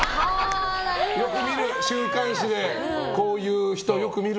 週刊誌でこういう人よく見る。